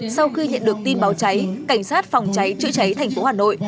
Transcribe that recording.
sau khi nhận được tin báo cháy cảnh sát phòng cháy cháy tp hà nội